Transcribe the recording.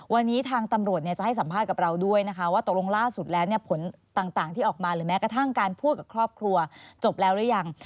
วันนี้ทางตำรวจจะให้สัมภาษณ์กับเราด้วยนะคะว่าตกลงล่าสุดแล้วผลต่างที่ออกมาหรือแม้กระทั่งการพูดกับครอบครัวจบแล้วหรือยัง